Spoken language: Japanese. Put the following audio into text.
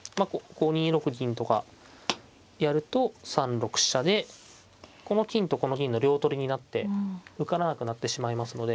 こう２六銀とかやると３六飛車でこの金とこの銀の両取りになって受からなくなってしまいますので。